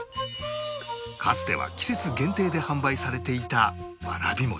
かつては季節限定で販売されていたわらび餅